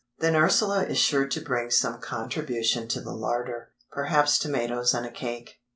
Then Ursula is sure to bring some contribution to the larder—perhaps tomatoes and a cake.